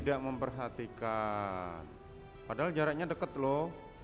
tidak memperhatikan padahal jaraknya dekat loh